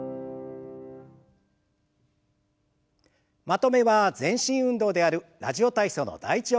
まとめは全身運動である「ラジオ体操」の「第１」を行います。